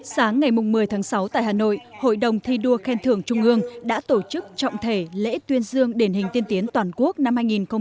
sáng ngày một mươi tháng sáu tại hà nội hội đồng thi đua khen thưởng trung ương đã tổ chức trọng thể lễ tuyên dương điển hình tiên tiến toàn quốc năm hai nghìn hai mươi